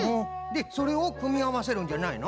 でそれをくみあわせるんじゃないの？